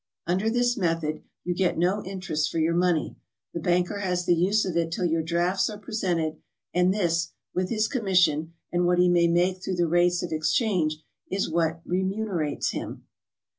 Under tl is method, you get no interest for your money; the banker has the use of it till your drafts are presented, and this, with his commission, and what he may make through the rates of exchange, is what remu nerates him.